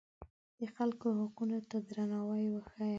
د خلکو حقونو ته درناوی وښیه.